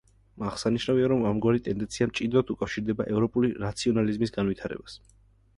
აღსანიშნავია, რომ ამგვარი ტენდენცია მჭიდროდ უკავშირდება ევროპული რაციონალიზმის განვითარებას.